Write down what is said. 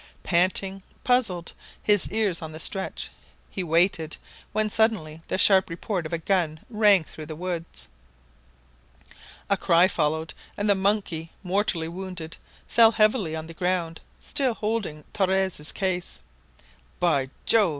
Panting, puzzled, his ears on the stretch, he waited, when suddenly the sharp report of a gun rang through the woods. A cry followed, and the monkey, mortally wounded, fell heavily on the ground, still holding Torres' case. "By Jove!"